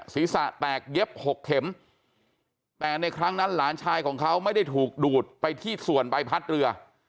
ศีรษะแตกเย็บ๖เข็มแต่ในครั้งนั้นหลานชายของเขาไม่ได้ถูกดูดไปที่ส่วนใบพัดเรือ